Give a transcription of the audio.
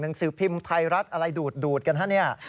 หนังสือพิมพ์ไทยรัฐอะไรดูดกันฮะเนี่ย